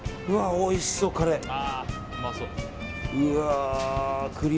おいしそう、カレー。